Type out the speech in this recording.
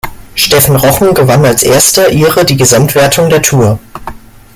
Stephen Roche gewann als erster Ire die Gesamtwertung der Tour.